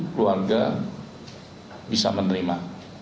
keluarga bisa menerima